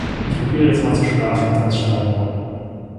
Ich probiere jetzt mal zu schlafen, dann ist schneller morgen.